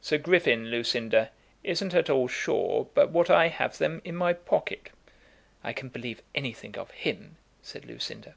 Sir Griffin, Lucinda, isn't at all sure but what I have them in my pocket." "I can believe anything of him," said Lucinda.